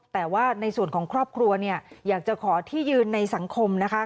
แต่ว่าในส่วนของครอบครัวอยากจะขอที่ยืนในสังคมนะคะ